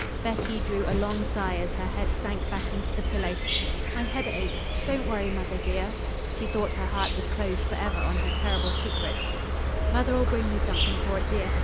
Betty drew a long sigh as her head sank back into the pillow. "My head aches; don't worry, mother, dear." She thought her heart was closed forever on her terrible secret. "Mother'll bring you something for it, dear.